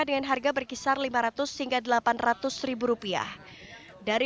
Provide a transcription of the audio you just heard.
dengan harga berkisar lima ratus hingga delapan ratus ribu rupiah